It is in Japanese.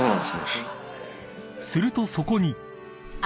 ［するとそこに］